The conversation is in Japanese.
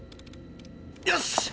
よし！